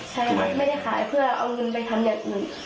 ใช่ไม่ได้ขายเพื่อเอาเงินไปทำเงิน